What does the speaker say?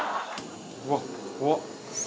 うわっ怖っ！